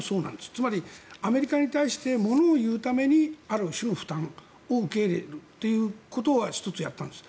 つまりアメリカに対してものを言うために、ある種負担を受け入れるということは１つやったんです。